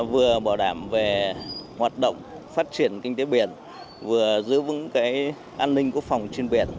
vừa bảo đảm về hoạt động phát triển kinh tế biển vừa giữ vững cái an ninh quốc phòng trên biển